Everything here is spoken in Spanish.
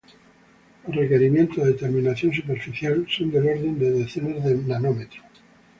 Los requerimientos de terminación superficial son del orden de decenas de nanómetros.